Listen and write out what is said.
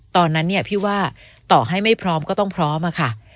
ตอนนั้นเนี่ยพี่ว่าต่อให้ไม่พร้อมก็ต้องพร้อมอะค่ะ